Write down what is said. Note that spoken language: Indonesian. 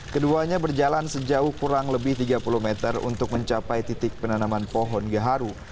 keduanya berjalan sejauh kurang lebih tiga puluh meter untuk mencapai titik penanaman pohon gaharu